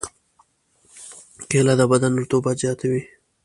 کېله د بدن رطوبت زیاتوي.